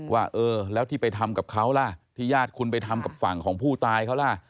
ว่าเออแล้วที่ไปทำกับเขาล่ะที่ญาติคุณไปทำกับฝั่งของผู้ตายเขาล่ะ